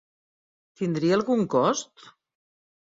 Tindria algun cost?